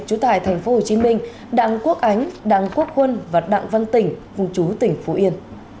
chú tài tp hcm đặng quốc ánh đặng quốc huân và đặng văn tỉnh vùng chú tỉnh phú yên